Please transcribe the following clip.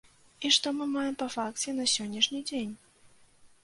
І што мы маем па факце на сённяшні дзень?